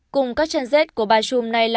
cùng các chân dết của bà chùm này là